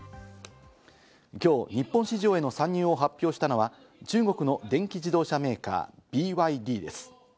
今日、日本市場への参入を発表したのは中国の電気自動車メーカー・ＢＹＤです。